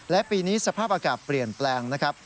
และปีนี้สภาพอากาศเปลี่ยนแปลงนะครับ